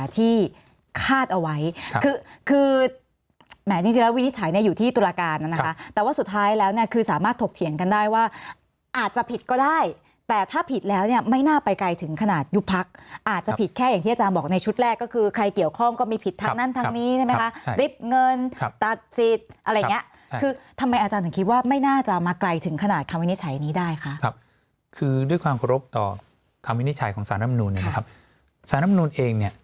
ถ้าผิดแล้วเนี้ยไม่น่าไปไกลถึงขนาดหยุดพักอาจจะผิดแค่อย่างที่อาจารย์บอกในชุดแรกก็คือใครเกี่ยวข้องก็มีผิดทางนั้นทางนี้ใช่ไหมคะริบเงินตัดสิทธิ์อะไรเงี้ยคือทำไมอาจารย์ถึงคิดว่าไม่น่าจะมาไกลถึงขนาดคำวินิจฉัยนี้ได้คะครับคือด้วยความรบต่อคำวินิจฉัยของสารร่ำนูน